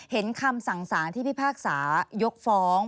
เห็นคำสั่งสารที่พี่ภาคสายกฟ้อง